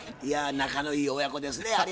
いや仲のいい親子ですね。